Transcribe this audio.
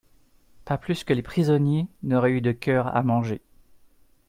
Pas plus que les prisonniers n'auraient eu de coeur à manger.